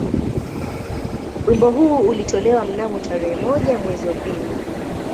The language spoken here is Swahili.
Wimbo huu ulitolewa mnamo tarehe moja mwezi wa pili